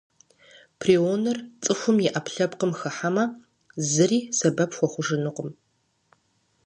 Прионыр цӏыхум и ӏэпкълъэпкъым хыхьэмэ, зыри сэбэп хуэхъужынукъым.